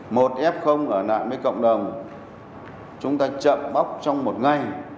một f ở lại với cộng đồng chúng ta chậm bóc trong một ngày